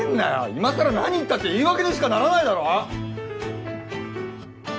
今さら何言ったって言い訳にしかならないだろ！